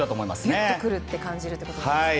ぎゅっと来るって感じるということですね。